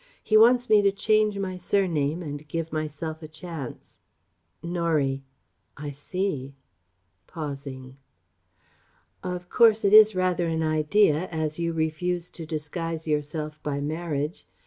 He wants me to change my surname and give myself a chance..." Norie: "I see" (pausing). "Of course it is rather an idea, as you refuse to disguise yourself by marriage.